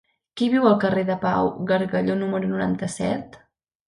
Qui viu al carrer de Pau Gargallo número noranta-set?